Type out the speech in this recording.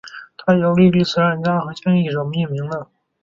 它以奥地利慈善家和建立者命名的。